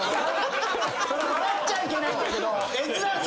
笑っちゃいけないんだけど。